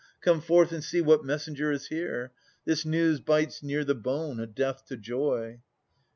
Come forth and see what messenger is here ! This news bites near the bone, a death to joy.